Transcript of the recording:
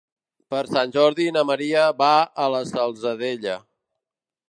Per Sant Jordi na Maria va a la Salzadella.